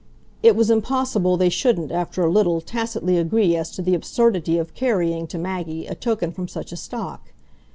It was impossible they shouldn't, after a little, tacitly agree as to the absurdity of carrying to Maggie a token from such a stock.